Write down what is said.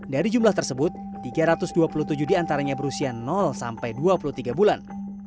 dari jumlah tersebut tiga ratus dua puluh tujuh diantaranya berusia sampai dua puluh tiga bulan